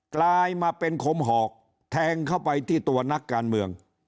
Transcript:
กลายมาเป็นคมหอกแทงเข้าไปที่ตัวนักการเมือง